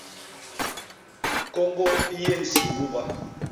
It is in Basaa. Kôñgô i yé nsi nuga.